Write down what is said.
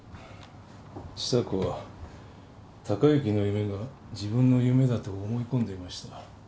千沙子は貴之の夢が自分の夢だと思い込んでいました